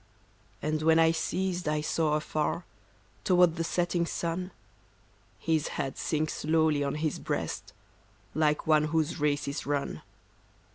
And when I ceased I saw afar, Toward the setting sun, His head sink slowly on his breast, Like one whose race is run.